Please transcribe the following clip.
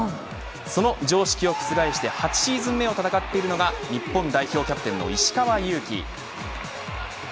その常識を覆して８シーズン目を戦っているのが日本代表キャプテンの石川祐希。